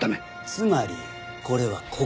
つまりこれは告発？